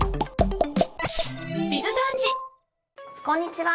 こんにちは。